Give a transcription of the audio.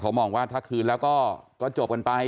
เขามองวันด้งท่าคืนแล้วก็แล้วก็จบกันไป